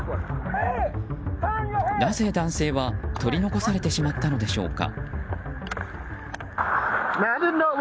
なぜ男性は、取り残されてしまったのでしょうか。